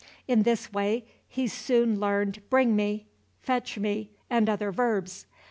In this way he soon learned "bring me," "fetch me," and other verbs.